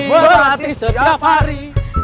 berlatih setiap hari